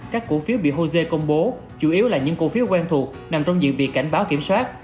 các cổ phiếu bị hosea công bố chủ yếu là những cổ phiếu quen thuộc nằm trong dự việc cảnh báo kiểm soát